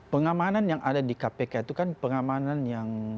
pengamanan yang ada di kpk itu kan pengamanan yang